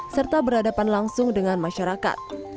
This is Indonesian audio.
serta berhadapan langsung dengan masyarakat